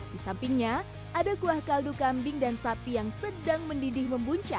di sampingnya ada kuah kaldu kambing dan sapi yang sedang mendidih membunca